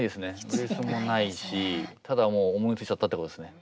ブレスもないしただ思いついちゃったってことですね。